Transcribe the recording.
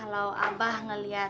kalau abah ngeliat